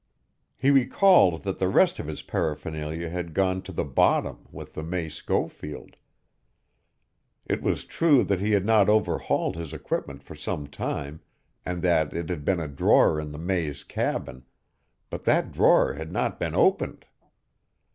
He recalled that the rest of his paraphernalia had gone to the bottom with the May Schofield. It was true that he had not overhauled his equipment for some time, and that it had been in a drawer in the May's cabin, but that drawer had not been opened.